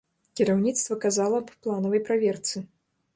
Кіраўніцтва казала аб планавай праверцы.